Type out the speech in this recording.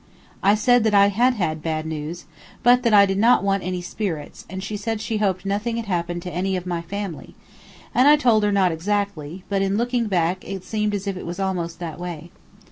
I said that I had had bad news, but that I did not want any spirits, and she said she hoped nothing had happened to any of my family, and I told her not exactly; but in looking back it seemed as if it was almost that way.